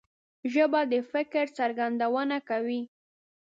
ژبه د فکر څرګندونه کوي